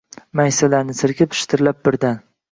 Maysalarni silkib, shitirlab birdan